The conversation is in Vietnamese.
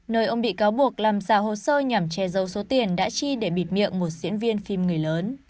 nơi ông bị cáo buộc làm giả hồ sơ nhằm che giấu số tiền đã chi để bịt miệng một diễn viên phim người lớn